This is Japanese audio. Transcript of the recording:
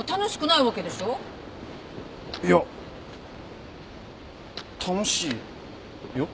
いや楽しいよ。